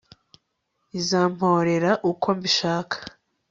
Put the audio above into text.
izamporera uko mbishaka